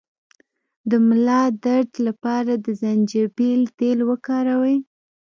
د ملا درد لپاره د زنجبیل تېل وکاروئ